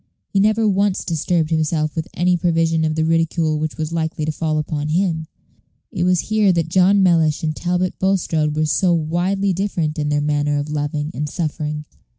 He never once disturbed himself with any prevision of the ridicule which was likely to fall upon him. It was here that John Mellish and Talbot Bulstrode were so widely different in their manner of loving and suffering.